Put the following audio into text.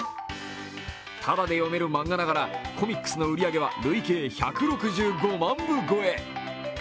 ただで読める漫画ながらコミックスの売り上げは累計１６５万部超え。